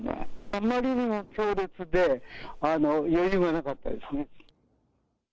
あまりにも強烈で、余裕がなかったですね。